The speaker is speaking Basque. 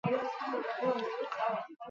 Partida oso berdinduta hasi zen.